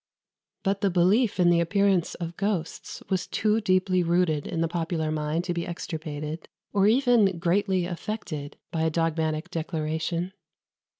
But the belief in the appearance of ghosts was too deeply rooted in the popular mind to be extirpated, or even greatly affected, by a dogmatic declaration.